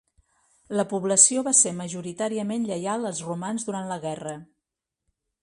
La població va ser majoritàriament lleial als romans durant la guerra.